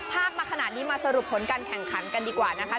ภาคมาขนาดนี้มาสรุปผลการแข่งขันกันดีกว่านะคะ